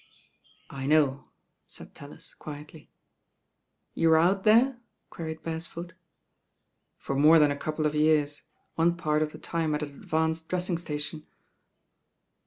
"I know," said TaUis quietly. I'You were out there?" queried Beresford. tor more than a couple of years, one part of tlie tune at an advanced dressing station."